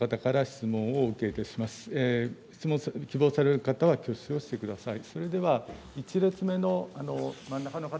質問を希望される方は挙手をしてください。